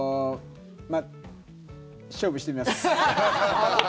まあ、勝負してみます。